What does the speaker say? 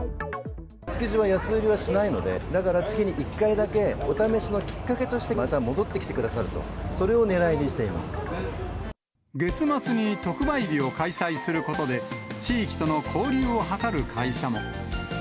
築地は安売りはしないので、だから月に１回だけ、お試しのきっかけとして、また戻ってきてくださると、月末に特売日を開催することで、地域との交流を図る会社も。